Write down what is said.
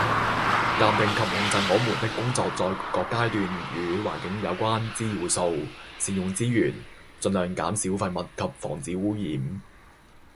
鑑定及控制我們的工作在各階段與環境有關之要素，善用資源，盡量減少廢物及防止污染